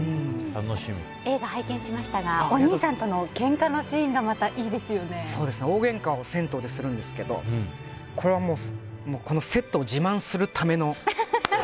映画を拝見しましたがお兄さんとのけんかのシーンが大げんかを銭湯でするんですけどこれはもうこのセットを自慢するための。